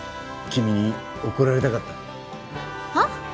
君に怒られたかったはっ？